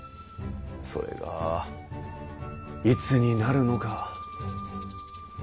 それがいつになるのか。